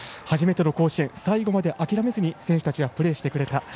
初めての甲子園最後まで諦めずに選手たちはプレーしてくれた。